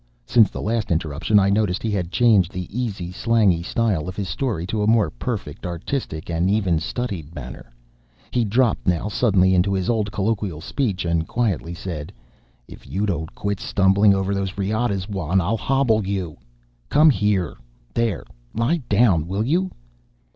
Since the last interruption, I noticed he had changed the easy slangy style of his story to a more perfect, artistic, and even studied manner. He dropped now suddenly into his old colloquial speech, and quietly said: "If you don't quit stumbling over those riatas, Juan, I'll hobble YOU. Come here, there; lie down, will you?"